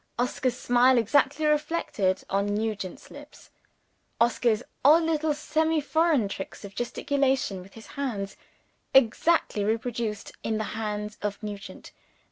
Oscar's smile exactly reflected on Nugent's lips. Oscar's odd little semi foreign tricks of gesticulation with his hands, exactly reproduced in the hands of Nugent.